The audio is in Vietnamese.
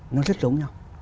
nó rất giống nhau